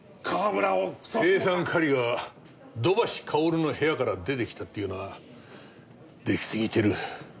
青酸カリが土橋かおるの部屋から出てきたというのは出来すぎてる。